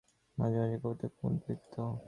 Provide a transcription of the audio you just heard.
মাঝে মাঝে কবিতাও কুমুদ লিখিত।